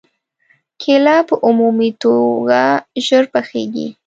کېله په عمومي توګه ژر پخېږي.